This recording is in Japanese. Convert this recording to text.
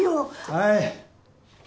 はい！